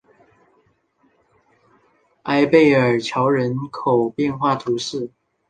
埃贝尔桥人口变化图示